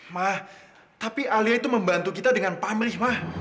ma tapi alia itu membantu kita dengan pamrih ma